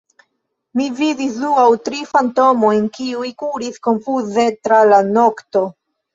Mi vidis du aŭ tri fantomojn, kiuj kuris konfuze tra la nokto.